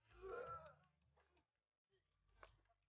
ternyata kamu tidak sama sama dengan orang lain